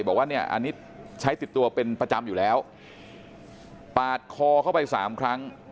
บอกว่าเนี่ยอันนี้ใช้ติดตัวเป็นประจำอยู่แล้วปาดคอเข้าไปสามครั้ง